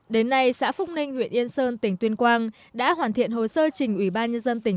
đến nay xã phúc ninh huyện yên sơn tỉnh tuyên quang đã hoàn thiện hồ sơ trình ủy ban nhân dân tỉnh